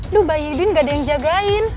aduh bayi idin gak ada yang jagain